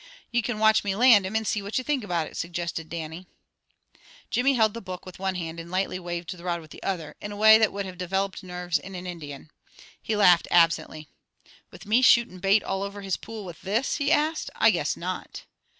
"Ye can watch me land him and see what ye think about it," suggested Dannie. Jimmy held the book with one hand and lightly waved the rod with the other, in a way that would have developed nerves in an Indian. He laughed absently. "With me shootin' bait all over his pool with this?" he asked. "I guess not!"